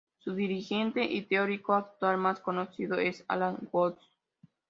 Su dirigente y teórico actual más conocido es Alan Woods.